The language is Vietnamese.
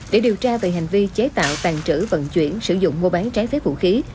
để điều tra về hành vi chế tạo tàn trữ vận chuyển sử dụng mua bán trái phép vũ khí